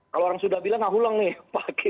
kalau orang sudah bilang ahulang nih pak giel